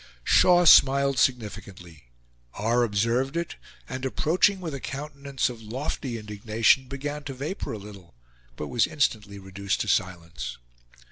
Shaw smiled significantly; R. observed it, and, approaching with a countenance of lofty indignation, began to vapor a little, but was instantly reduced to silence.